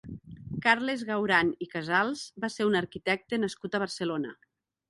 Carles Gauran i Casals va ser un arquitecte nascut a Barcelona.